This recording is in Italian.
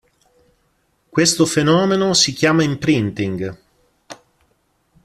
Questo fenomeno si chiama imprinting.